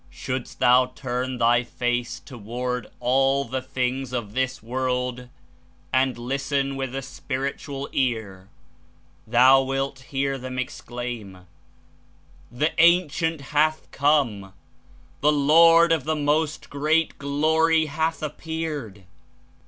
"Shouldst thou turn thy face toward all the things of this world and listen with a spiritual ear, thou wilt hear them exclaim : 'The Ancient hath come ! The Lord of the Most Great Glory hath appeared!'"